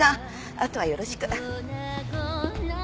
あとはよろしく。